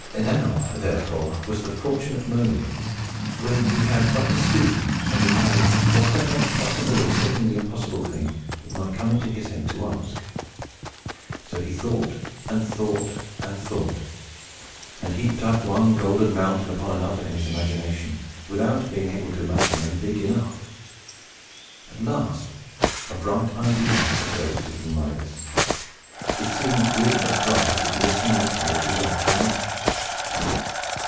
Now, therefore, was the fortunate moment, when he had but to speak, and obtain whatever possible, or seemingly impossible thing, it might come into his head to ask. So he thought, and thought, and thought, and heaped up one golden mountain upon another, in his imagination, without being able to imagine them big enough. At last, a bright idea occurred to King Midas. It seemed really as bright as the glistening metal which he loved so much.